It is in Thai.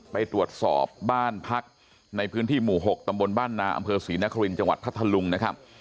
ไปตรวจสอบบ้านพักในพื้นที่หมู่๖ตำบลบ้านนาอำเภอศรีนครินจังหวัดพัทธลุงนะครับ